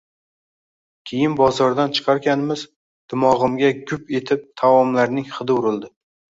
Kiyim bozordan chiqarkanmiz, dimog‘imga «gup» etib taomlarning hidi urildi.